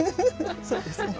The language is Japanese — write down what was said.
そうですね。